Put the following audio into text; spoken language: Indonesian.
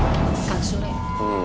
terima kasih teteh